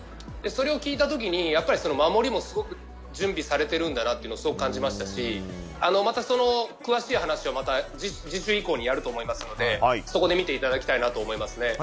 それを聞いた時に、守りもすごく準備されてるんだなってすごく感じましたしまた詳しいお話は次週以降にやると思いますのでそこで見ていただきたいなと思いますね。